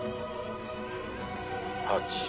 ８。